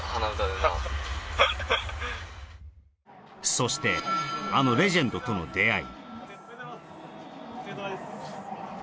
そして、あのレジェンドとの出会い。